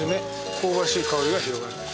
「香ばしい香りが広がる」